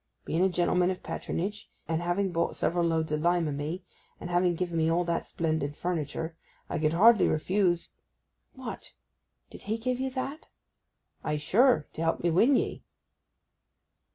Being a gentleman of patronage, and having bought several loads of lime o' me, and having given me all that splendid furniture, I could hardly refuse—' 'What, did he give you that?' 'Ay sure—to help me win ye.